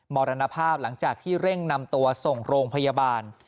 มรณภาพหลังจากที่เร่งนำตัวส่งโรงพยาบาล